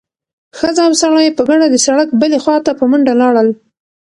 ښځه او سړی په ګډه د سړک بلې خوا ته په منډه لاړل.